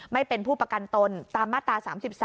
ไม่เป็นผู้ประกันตนตามมาตรา๓๓